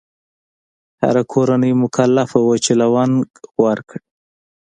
هره کورنۍ مکلفه وه چې لونګ ورکړي.